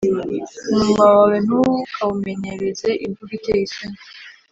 Umunwa wawe ntukawumenyereze imvugo iteye isoni,